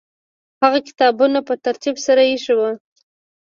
هغه کتابونه په ترتیب سره ایښي وو.